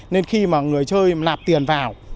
nên khi mà người chơi lạp tiền vào